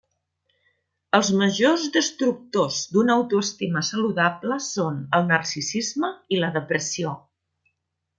Els majors destructors d'una autoestima saludable són el narcisisme i la depressió.